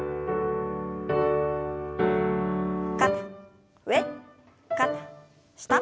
肩上肩下。